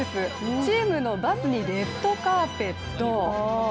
チームのバスにレッドカーペット。